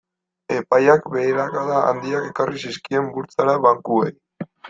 Epaiak beherakada handiak ekarri zizkien burtsara bankuei.